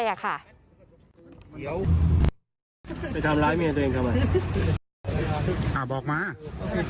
เหมือนไปหาคนอื่น